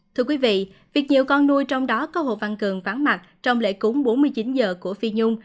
thưa quý vị việc nhiều con nuôi trong đó có hồ văn cường vắng mặt trong lễ cúng bốn mươi chín h của phi nhung